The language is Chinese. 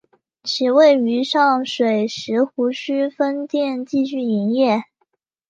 其位于上水石湖墟分店继续营业。